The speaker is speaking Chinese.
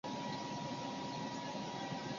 混合以后的物质的总体称作混合物。